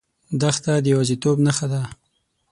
دښته د یوازیتوب نښه ده.